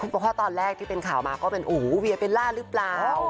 เพราะตอนแรกที่เป็นข่าวมาก็เป็นอู๋เวียเบลล่าหรือเปล่า